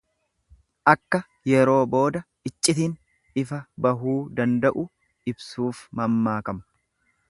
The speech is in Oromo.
Akka yeroo booda iccitin ifa bahuu danda'u ibsuuf mammaakama.